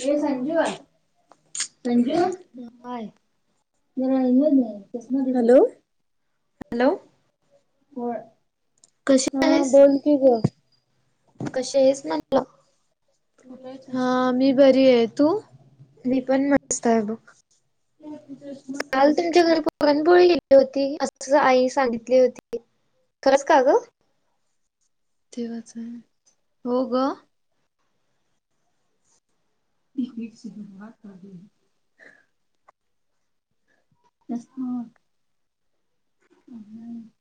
ये Sanju. Sanju, hi hello hello होय, कशी हा आहेस बोल कि गं. कशी आहेस म्हटलं? हा, मी बरी हाय तू? मी पण मस्त हाय बघ, काल तुमच्या घरी पुरणपोळी केली होती, असं आई सांगितली होती. खरंच का ग? तेवाच हाय, हो गं. [unintelligible] हह. [unintelligible]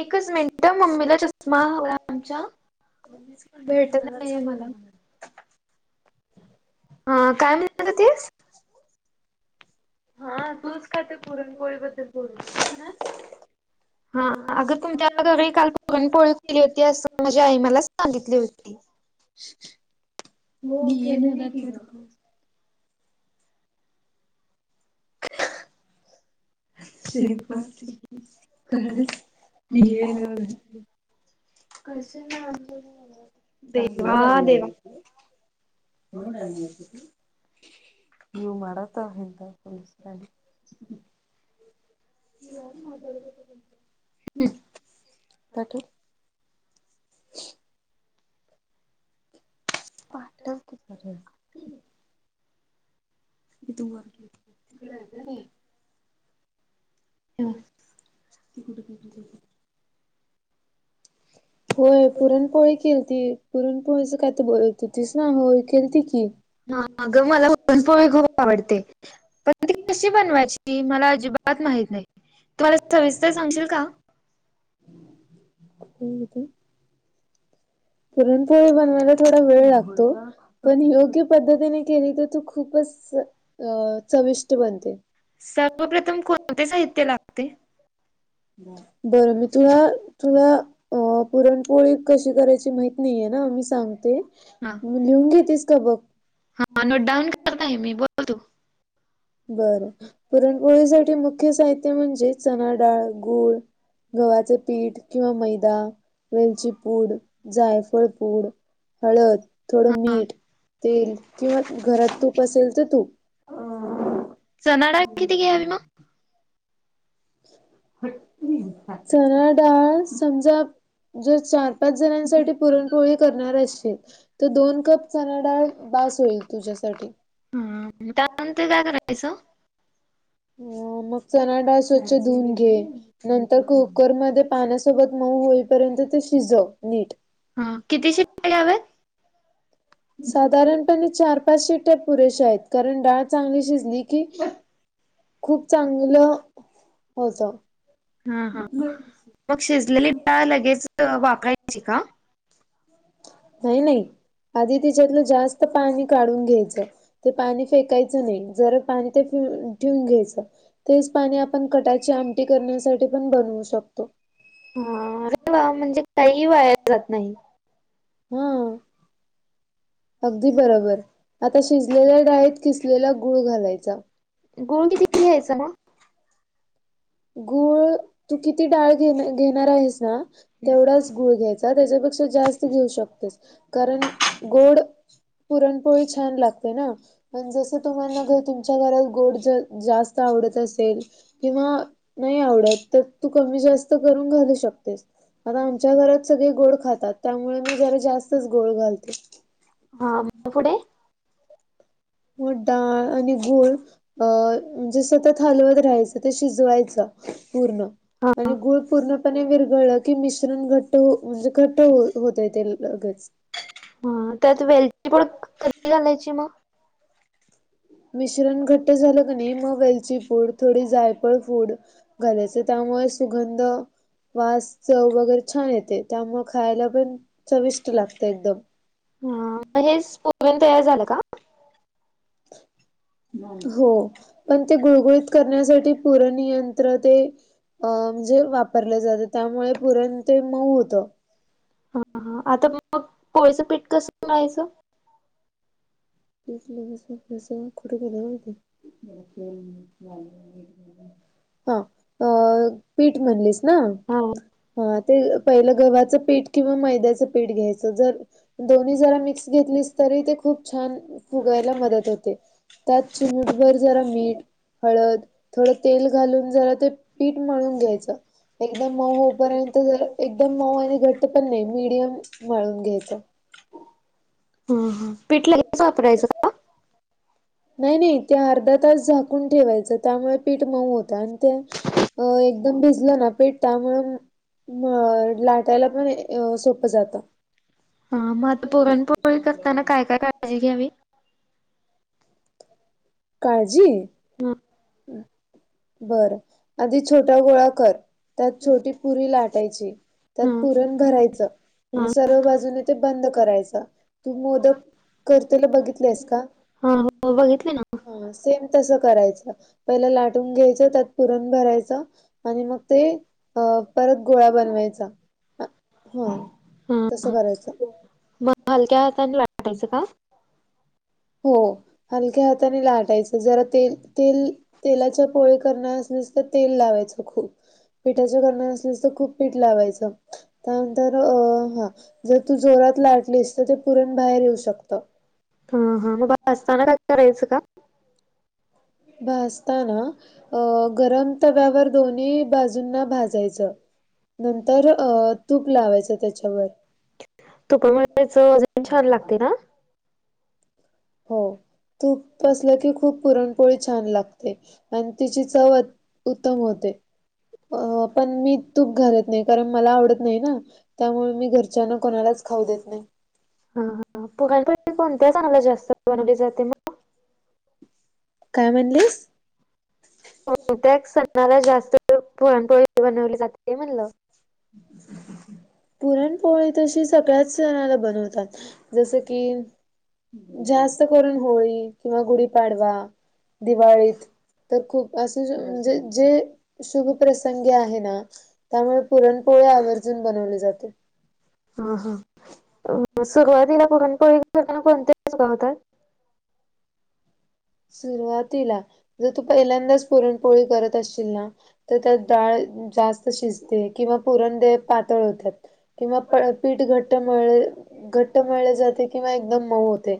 एकच मिनिट हा, मम्मीला चष्मा हवा आमच्या. ऑफीसमध्ये भेटत जाणारी नाहीये मला असणार मग हा काय म्हणत होतीस? हा तूच काय त्यो पुरण पोळीबद्दल असणार. हा अगं तुमच्या घरी काल पूरणपोळी पुरणपोळी केली होती. केलेली असं म्हजे आई माझ्या मला सांगितली होती. [unintelligible] [unintelligible] कशी मांडलेली. देवा, देवा. [unintelligible] यो मरात आहे का, पोलीसवाणी. पाठव. पाठल कि परत. [unintelligible] [unintelligible] होय पुरणपोळी केलीती, पुरणपोळीच काय तर बोलत होतीस ना, होय केलती की. हा गं मला पुरणपोळी खूप आवडते, पण ती कशी बनवायची? मला अजिबात माहित नाही, तु मला सविस्तर सांगशील का? हो, येतंय. पुरणपोळी बनवायला थोडा वेळ लागतो, पण योग्य पद्धतीने केली तर खुप खूपच चविष्ट बनते. सर्वप्रथम कोणते साहित्य लागते? बरं मी तुला, तुला. अ, पुरणपोळी कशी करायची माहित नाहीये ना, मी सांगते. हा, लिहून घेतेस का बघ हा नोटडाऊन करत आहे मी, बोल तु. बरं, पुरणपोळीसाठी मुख्य साहित्य म्हणजे चणाडाळ, गूळ गव्हाचं पीठ किंवा मैदा, वेलची पूड, जायफळ पूड हळद, थोडं हा मीठ, तेल किंवा घरात तूप असेल तर तूप. चणाडाळ किती घ्यावी मग? चनाडाळ. समजा, जर चार -पाच जणांसाठी पुरणपोळ्या करणार असशील. तर दोन कप चणा डाळ बास होईल तुझ्यासाठी. त्या नंतर काय करायचं? हं मग चनाडाळ स्वच्छ धुऊून घे. नंतर कुकरमध्ये पाण्यासोबत मऊ होईपर्यंत ते शिजव नीट. हा किती शिट्ट्या घ्याव्यात? साधारणपणे चार पाच शिट्या पुरेशा आहेत कारण डाळ चांगली शिजली की. खूप चांगलं होतं. हा हा मग शिजलेली डाळ लगेच वापरायची का. हो नाही आधी तीच्यातलं जास्त पाणी काढून घ्यायचं. ते पाणी फेकायचं नाही जर हा पाणी ते ठेवून घ्यायचं. तेच पाणी आपण कटाची आमटी करण्यासाठी पण बनवू शकतो. ह झाल म्हणजे काहीही वायाला जात नाही. हा अगदी बरोबर, आता शिजलेल्या डाळीत किसलेला गुळ घालायचा. गुळ किती घ्यायचा मग? गूळ तू किती डाळ घे घेणार आहेस ना. तेवढाच गुळ घ्यायचा त्याच्यापेक्षा जास्त घेऊ शकतेस कारण गुळ. पुढत पुरणपोळी छान लागते ना. म्हणजे जसं तुम्हाला तुमच्या घरात गोड जास्त आवडत असेल किंवा. नाही आवडत तर तू कमी जास्त करून घालू शकतेस. आता आमच्या घरात सगळे गोड खातात त्यामुळे मी जरा जास्तच गुळ घालते. हा पुढे? मग डाळ आणि गुळ. अ म्हणजे सतत हलवत राहायचं ते शिजवायचं पूर्ण. हा आणि गूळ पूर्णपणे विरघळला की मिश्रण घट्ट म्हणजे घट्ट होतय ते लगेच. हा त्यात वेलची पूड कधी घालायची मग? मिश्रण घट्ट झालं कणी मग वेलची पूड थोडी जायफळ. जायफळ पूड घालायच त्यामुळे सुगंध. वास चव वगैरे छान येते त्यामुळे खायला पण चविष्ट लागते एकदम. हा हेच पुरण तयार झालं का? [inaudible] हो पण ते गुळगुळीत करण्यासाठी पूरणयंत्र ते. अ म्हणजे वापरल जातं त्यामुळे पुरण ते मऊ होतं. हा हा आता मग पोळीचं पीठ कसं मळायच? यातलं असं कुठं गेलं? हं अ पीठ म्हणलीस ना? हा हा ते पहिलं गव्हाचं पीठ किंवा मैद्याचं पीठ घ्यायचं जर. दोन्ही जरा मिक्स घेतलीस तरी ते खूप छान फुगायला मदत होते. त्यात चिमूटभर जरा मीठ. हळद थोडं तेल घालून जरा ते पीठ मळुन घ्यायचं. एकदम मऊ होपर्यंत जर एकदम मऊ आणि घट्ट पण नाही मिीडियम मळून घ्यायचं. पिठ लगेच वापरायच. नाही नाही ते अर्धा तास झाकून ठेवायचं त्यामुळे पीठ मऊ होतं आणि ते. अ एकदम भिजलं ना पिठ त्यामुळे. मग लाटायला पण सोपं जातं. हा मग आता पुरणपोळी करताना काय काय काळजी घ्यावी? काळजी, हा बर. आधी छोटा गोळा कर, त्यात छोटी पुरी लाटायची. त्यात हा पुरण भरायचं- आणि हा सर्व बाजूने ते बंद करायच, तू मोदक करतेला बघितलेस का? हा, हो बघितली ना. सेम तस करायचं, पहिलं लाटून घ्यायचं, त्यात पुरण भरायचं- आणि मग ते अ परत गोळा बनवायचा. हा, हा तस हा करायचं. हलक्या हाताने लाटायचं काय? हो, हलक्या हाताने लाटायचं, जरा तेल, तेल, तेलाच्या पोळी करणाऱ्यासनी- तेल लावायचं खूप, पिठाच [unintelligible] असल्यास तर खूप पीठ लावायचं. त्यानंतर अ.. हा जर तू जोरात लाटलीस, तर ते पुरण बाहेर येऊ शकत. हा, हा, मग भाजताना काय करायचं का? भासताना अ गरम- तव्यावर दोन्ही बाजूंना भाजायचं. नंतर अ तूप लावायचं त्याच्यावर. [unintelligible] छान लागते ना हो, तूप असलं की, खूप पुरणपोळी छान लागते आणि तिची चव- उत्तम होते. अ पण मी तूप घालत नाही, कारण मला आवडत नाही ना. त्यामुळे, मी घरच्यांना कोणालाच खाऊ देत नाही. [unintelligible] काय म्हणलीस? कोणत्या सणाला जास्त पुरणपोळी बनवली जाते? म्हणलं. पुरणपोळी तशी सगळ्याच जणाला बनवतात. जस कि, जास्त करून होळी किंवा गुढीपाडवा, - दिवाळीत. तर, खूप असे म्हणजे जे शुभ प्रसंगी आहे ना- त्यामुळे पुरणपोळी आवर्जून बनवले जाते. हा, हा, सुरुवातीला पुरणपोळी कोणत्या सणाला बनवतात. सुरुवातीला, जर तू पहिल्यांदाच पुरणपोळी करत असशील ना- तर त्यात डाळ जास्त- स्त शिजते किंवा पुरण ते पातळ होत्यात किंवा पीठ घट्ट मळले- घट्ट मळले जाते किंवा एकदम मऊ होते,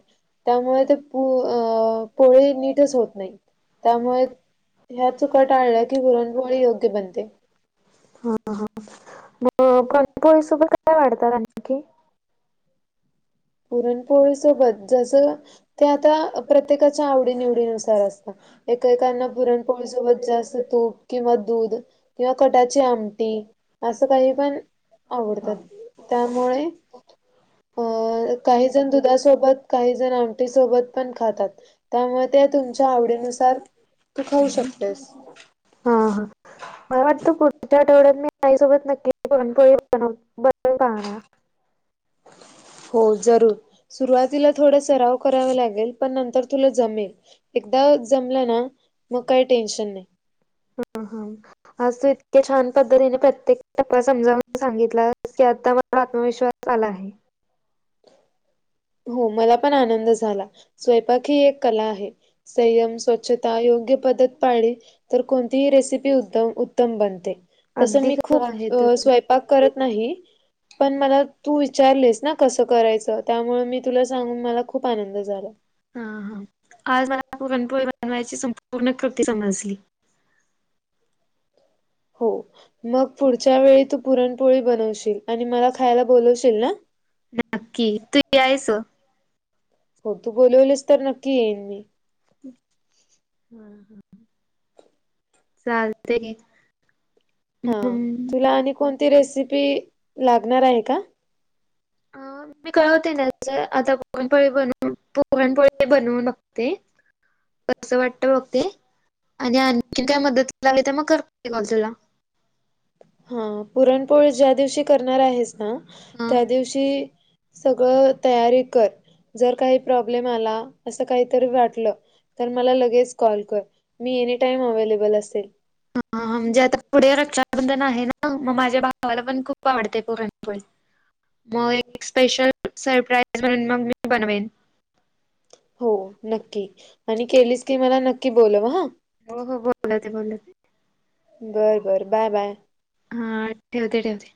त्यामुळे ते पू अ.. - पोळी नीटच होत नाही, त्यामुळे- ह्या चुका टाळल्या की, पुरणपोळी योग्य बनते. हा, हा, मग पुरणपोळीसोबत काय वाढतात आणखी? [inaudible] पोळी सोबत जसं, ते आता प्रत्येकाच्या आवडी निवडीनुसार असत. एकेकांना पुरणपोळीसोबत जास्त तूप किंवा दूध किंवा कटाची आमटी- असं काही पण आवडतात, त्यामुळे- अ हा काही जण दुधासोबत, काही जण आमटी सोबत पण खातात. त्यामुळे ते तुमच्या आवडीनुसार तू खाऊ शकतेस. हा हा मला वाटतं पुढच्या आठवड्यात मी आईसोबत नक्की पुरणपोळी बनव [unintelligible] हा, हा. हो जरूर. सुरुवातीला थोडा सराव करावा लागेल, पण नंतर तुला जमेल. एकदा जमलं ना, मग काही टेन्शन नाही. हा हा. आज तू इतक्या छान पद्धतीने प्रत्येक टप्पा समजावून सांगितला की, आता माझा आत्मविश्वास आलाय. हो मला पण आनंद झाला. स्वयंपाक ही एक कला आहे. संयम, स्वच्छता योग्य पद्धत पाळली. तर कोणतीही रेसिपी उत्तम तम बनते. तस अगदी मी खरं खूप आहे तुझ स्वंयपाक पाक करत नाही. पण मला तू विचारलेस ना कस करायच त्यामुळे मी तुला सांगून मला खूप आनंद झाला. हा हा. आज मला पुरणपोळी बनवायची संपूर्ण कृती समजली. हो. मग पुढच्या वेळी तू पुरणपोळी बनवशील, आणि मला खायला बोलवशील ना. नक्की. तू यायचं. तू बोलवलस तर नक्की येईन मी. [inaudible] चालतंय [inaudible] हं. तुला आणि कोणती रेसिपी लागणार आहे का? अ मी कळवते नंतर. आता पुरणपोळी बनवून पुरणपोळी बनवू- ते [inaudible] कसं वाटत बघते. आणि आणखीन काय मदत लागली तर मग करते कॉल तुला. हम्म. पुरणपोळी ज्या दिवशी करणार आहेस ना ह त्या दिवशी सगळं तयारी कर. जर काही प्रॉब्लेम आला, असं काहीतरी वाटलं तर मला लगेच कॉल कर. मी एनी टाईम अवेलेबल असेल. हम्म हम्म. म्हणजे आता पुढे रक्षाबंधन आहे ना, मग माझ्या भावाला पण खूप आवडते पुरणपोळी. मग एक स्पेशल सरप्राईज म्हणून मग मी बनवेन. हो नक्की. आणि केलीच की मला नक्की बोलाव हं. उगा बोलती म्हणून बरं, बरं. Bye, bye. हं. ठेवते, ठेवते.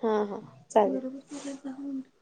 हा हा चालेल. [inaudible]